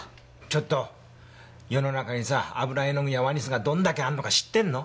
ちょっと世の中にさ油絵の具やワニスがどんだけあんのか知ってんの？